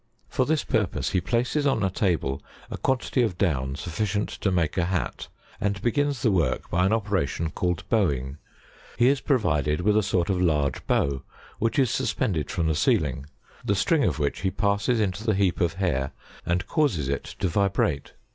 For this purpose he places on a table a quantity of down sufficient to make a hat, and begins the work by an operation called bowing: he is pro vided with a sort of large bow, which is suspended from the ceiling, the string of which he passes into the heap of hair and causes it to vibrate.